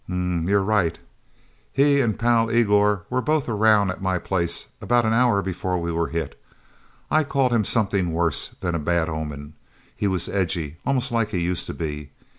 "Umhmm you're right. He and Pal Igor were both around at my place about an hour before we were hit. I called him something worse than a bad omen. He was edgy almost like he used to be.